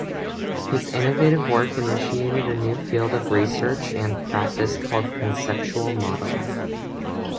His innovative work initiated a new field of research and practice called Conceptual Modeling.